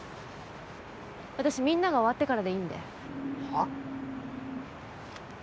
私みんなが終わってからでいは？